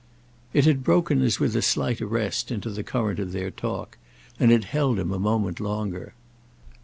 It had broken as with a slight arrest into the current of their talk, and it held him a moment longer.